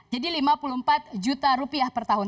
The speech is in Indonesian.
jadi lima puluh empat juta rupiah per tahun